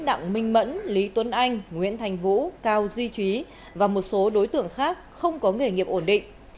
đặng minh mẫn lý tuấn anh nguyễn thành vũ cao duy trí và một số đối tượng khác không có nghề nghiệp ổn định